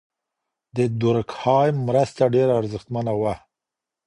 د دورکهایم مرسته ډیره ارزښتمنه وه.